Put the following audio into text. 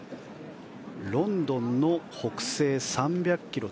ロンドンの北西３００ｋｍ